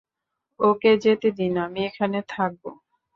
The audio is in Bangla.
ওকে যেতে দিন আমি এখানে থাকব।